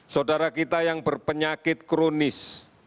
saudara kita yang berpenyakit kronis